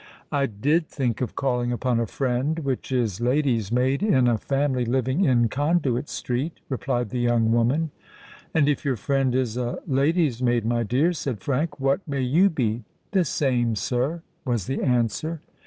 "I did think of calling upon a friend which is lady's maid in a family living in Conduit Street," replied the young woman. "And if your friend is a lady's maid, my dear," said Frank, "what may you be?" "The same, sir," was the answer.